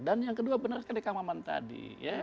yang kedua benar sekali kang maman tadi